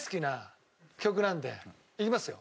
いきますよ。